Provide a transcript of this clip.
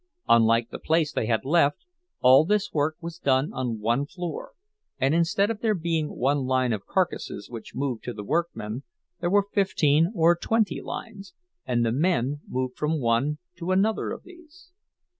Unlike the place they had left, all this work was done on one floor; and instead of there being one line of carcasses which moved to the workmen, there were fifteen or twenty lines, and the men moved from one to another of these.